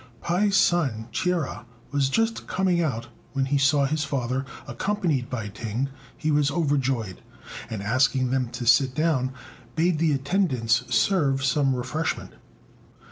Pai's son, Chia, was just coming out; and when he saw his father accompanied by Ting, he was overjoyed, and, asking them to sit down, bade the attendants serve some refreshment.